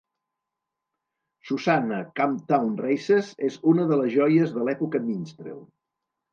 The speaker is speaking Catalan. Susanna, Camptown Races és una de les joies de l'època minstrel.